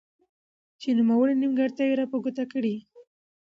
چې نوموړي نيمګړتياوي را په ګوته کړي.